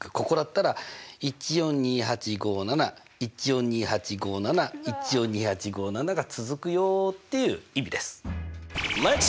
ここだったら１４２８５７１４２８５７１４２８５７が続くよっていう意味です。